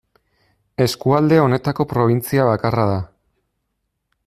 Eskualde honetako probintzia bakarra da.